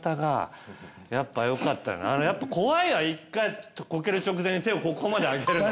あれやっぱ怖い１回コケる直前に手をここまで上げるの。